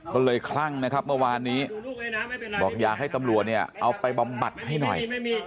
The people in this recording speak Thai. ก็เลยคลั่งนะครับเมื่อวานนี้บอกอยากให้ตำรวจเนี่ยเอาไปบำบัดให้หน่อย